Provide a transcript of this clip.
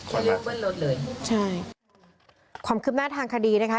คนบัดเจ็บใช่ความคิดมากทางคดีนะคะ